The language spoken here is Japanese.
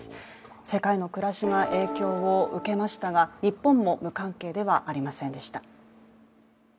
世界の暮らしが影響を受けましたが、日本も無関係ではありませんでした。